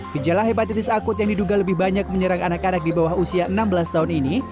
gejala hepatitis akut yang diduga lebih banyak menyerang anak anak di bawah usia enam belas tahun ini